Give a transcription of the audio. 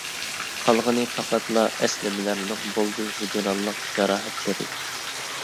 قالغىنى پەقەتلا ئەسلىمىلەرنىڭ بولدى ھىجرانلىق جاراھەتلىرى.